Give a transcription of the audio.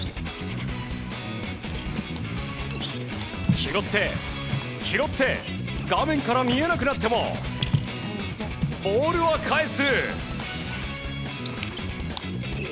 拾って、拾って画面から見えなくなってもボールは返す！